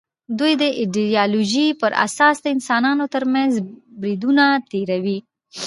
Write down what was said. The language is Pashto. دوی د ایدیالوژۍ پر اساس د انسانانو تر منځ بریدونه تېروي